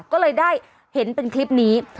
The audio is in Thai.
ก็เลยได้เห็นเป็นคลิปนี้